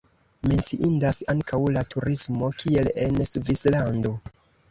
Menciindas ankaŭ la turismo, kiel en Svislando.